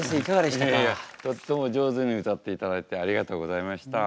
いやいやとっても上手に歌っていただいてありがとうございました。